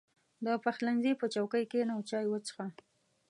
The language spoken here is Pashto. • د پخلنځي په چوکۍ کښېنه او چای وڅښه.